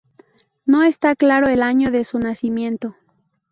No está claro el año de su nacimiento.